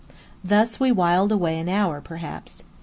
Thus we whiled away an hour, perhaps.